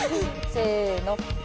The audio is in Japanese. せの。